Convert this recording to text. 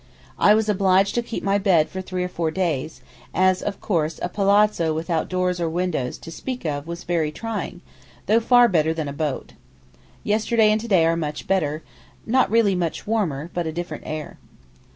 I was obliged to keep my bed for three or four days, as of course a palazzo without doors or windows to speak of was very trying, though far better than a boat. Yesterday and to day are much better, not really much warmer, but a different air.